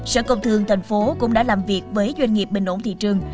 sở công thương thành phố cũng đã làm việc với doanh nghiệp bình ổn thị trường